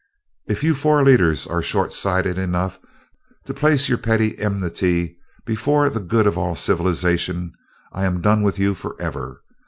"If you four leaders are short sighted enough to place your petty enmity before the good of all civilization, I am done with you forever.